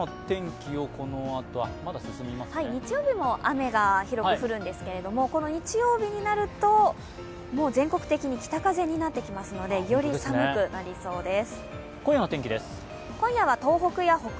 日曜日も雨が広く降るんですが、この日曜日になると全国的に北風になってきますのでより寒くなりそうです。